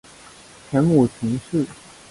前母秦氏。